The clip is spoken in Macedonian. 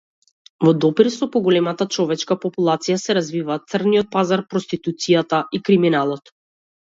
Во допир со поголемата човечка популација се развиваат црниот пазар, проституцијата и криминалот.